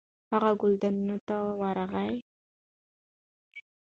هغه ګلدانونو ته ورغی.